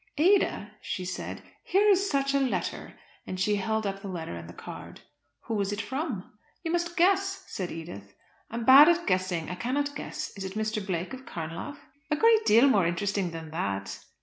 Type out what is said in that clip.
"Ada," she said, "here is such a letter;" and she held up the letter and the card. "Who is it from?" "You must guess," said Edith. "I am bad at guessing, I cannot guess. Is it Mr. Blake of Carnlough?" "A great deal more interesting than that."